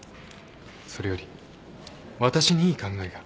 それよりわたしにいい考えが。